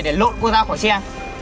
để lộn cô ra khỏi xe